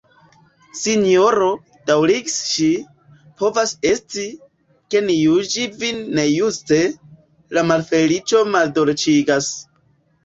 "Sinjoro, daŭrigis ŝi, povas esti, ke ni juĝis vin nejuste: la malfeliĉo maldolĉigas."